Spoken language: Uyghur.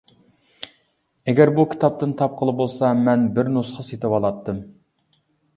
ئەگەر بۇ كىتابتىن تاپقىلى بولسا مەن بىر نۇسخا سېتىۋالاتتىم.